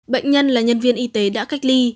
bệnh nhân là nhân viên y tế đã cách ly